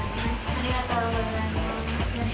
ありがとうございます。